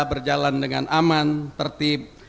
berjalan dengan aman tertib